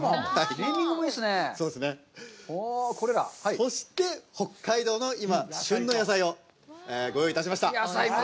そして北海道の今、旬の野菜をご用意いたしました。